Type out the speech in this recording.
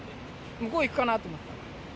向こうに行くかなと思ったら。